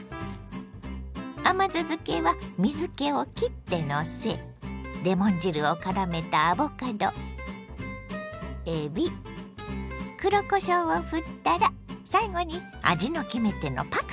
甘酢漬けは水けをきってのせレモン汁をからめたアボカドえび黒こしょうをふったら最後に味の決め手のパクチーです。